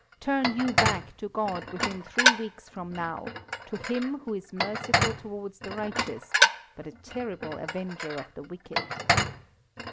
Turn you back to God within three weeks from now, to Him who is merciful towards the righteous, but a terrible avenger of the wicked."